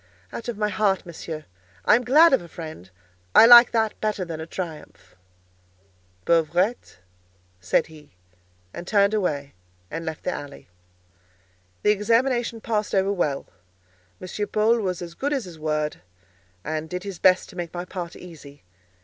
"Out of my heart, Monsieur. I am glad of a friend. I like that better than a triumph." "Pauvrette?" said he, and turned away and left the alley. The examination passed over well; M. Paul was as good as his word, and did his best to make my part easy.